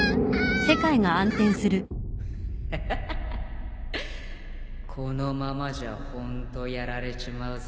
・ハハハハこのままじゃホントやられちまうぜ。